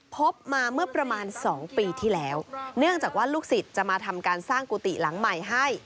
พบมาเมื่อประมาณ๒ปีที่แล้วเนื่องจากว่าลูกศิษย์จะมาทำการสร้างกุฏิหลังใหม่ให้